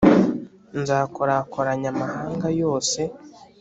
nzakorakoranya amahanga yose,